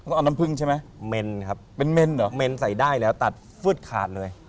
ต้องเอาน้ำผึ้งใช่ไหมเมนครับเป็นเมนเหรอเมนใส่ได้แล้วตัดฟืดขาดเลย